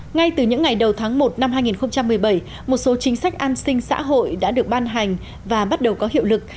ngay từ những ngày đầu tháng một năm hai nghìn một mươi bảy một số chính sách an sinh xã hội đã được ban hành và bắt đầu có hiệu lực